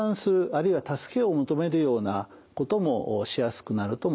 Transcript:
あるいは助けを求めるようなこともしやすくなると思います。